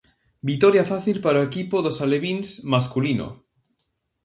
Vitoria fácil para o equipo dos alevíns masculino.